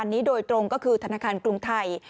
อันนี้โดยตรงก็คือธนาคารกรุงไทย